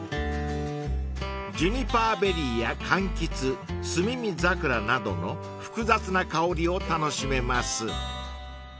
［ジュニパーベリーやかんきつスミミザクラなどの複雑な香りを楽しめます］